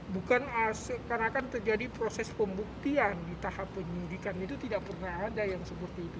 bukan karena akan terjadi proses pembuktian di tahap penyidikan itu tidak pernah ada yang seperti itu